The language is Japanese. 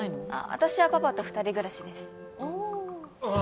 私はパパと二人暮らしですああ